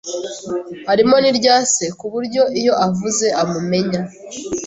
harimo n’irya se, ku buryo iyo avuze amumenya.